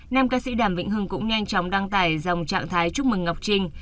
nam ca sĩ đàm vĩnh hưng cũng nhanh chóng đăng tải dòng trạng thái chúc mừng ngọc trinh